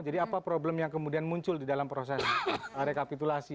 jadi apa problem yang kemudian muncul di dalam proses rekapitulasi